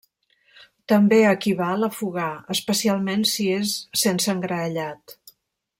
També equival a fogar, especialment si és sense engraellat.